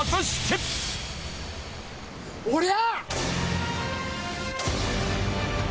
おりゃ！